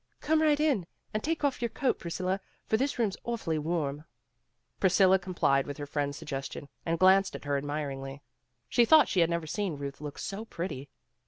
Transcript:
"Come right in and take off your coat, Priscilla, for this room's awfully warm." Priscilla complied with her friend's sugges GOOD BY 177 tion, and glanced at her admiringly. She thought she had never seen Ruth look so pretty.